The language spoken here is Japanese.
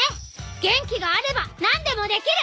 元気があれば何でもできる！